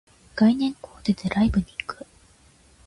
概念コーデでライブに行く